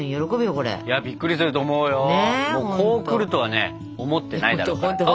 こうくるとはね思ってないだろうから。